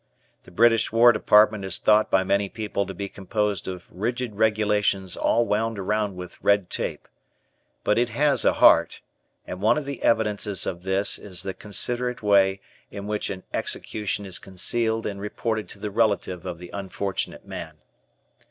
The British War Department is thought by many people to be composed of rigid regulations all wound around with red tape. But it has a heart, and one of the evidences of this is the considerate way in which an execution is concealed and reported to the relative of the unfortunate man.